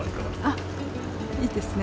あ、いいですね。